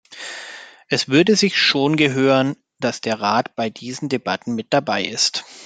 Es würde sich schon gehören, dass der Rat bei diesen Debatten mit dabei ist.